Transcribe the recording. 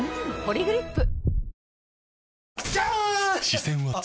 「ポリグリップ」